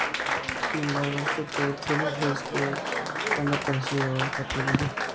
Sin embargo, este ataúd solo fue descrito cuando apareció y ahora está perdido.